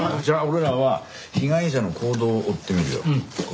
じゃあ俺らは被害者の行動を追ってみるよ。